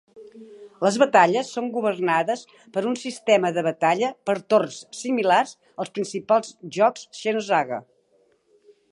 Les batalles són governades per un sistema de batalla per torns similars als principals jocs "Xenosaga".